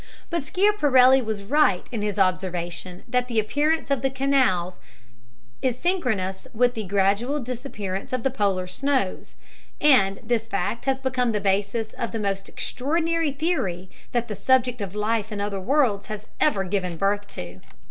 But Schiaparelli was right in his observation that the appearance of the "canals" is synchronous with the gradual disappearance of the polar snows, and this fact has become the basis of the most extraordinary theory that the subject of life in other worlds has ever given birth to.